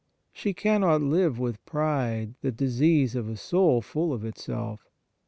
She cannot live with pride, the disease of a soul full of itself.